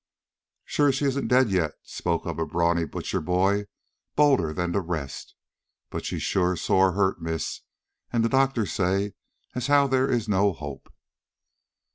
"Shure she isn't dead yet," spoke up a brawny butcher boy, bolder than the rest. "But she's sore hurt, miss, and the doctors say as how there is no hope."